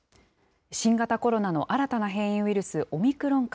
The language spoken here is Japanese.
新型コロナの新たな変異ウイルス、オミクロン株。